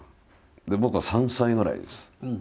で僕は３歳ぐらいです。